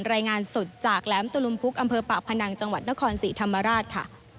รายงานสดจากแหลมตะลุมพุกอำเภอปากพนังจังหวัดนครศรีธรรมราชค่ะ